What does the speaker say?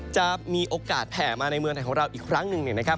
จะมีโอกาสแผ่มาในเมืองไทยของเราอีกครั้งหนึ่งเนี่ยนะครับ